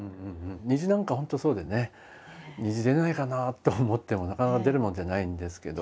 虹なんか本当そうでね「虹出ないかな？」と思ってもなかなか出るものじゃないんですけど。ですよね。